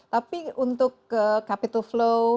tapi untuk capital flow